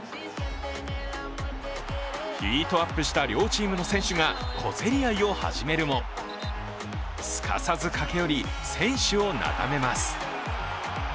ヒートアップした両チームの選手が小競り合いを始めるもすかさず駆け寄り選手をなだめます。